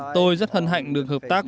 tôi rất hân hạnh được hợp tác